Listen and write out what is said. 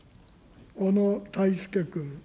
小野泰輔君。